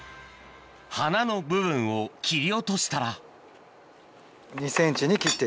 花の部分を切り落としたらＯＫ！